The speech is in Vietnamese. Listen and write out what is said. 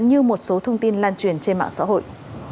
như một số thông tin lan truyền trên mạng xã hội